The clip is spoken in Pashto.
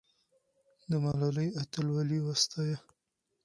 د ملالۍ اتلولي وستایه.